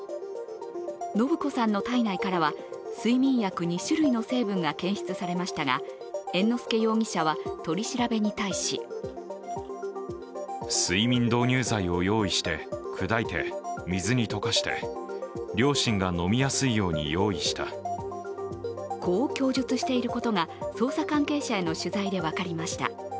延子さんの体内からは睡眠薬２種類の成分が検出されましたが猿之助容疑者は取り調べに対しこう供述していることが捜査関係者への取材で分かりました。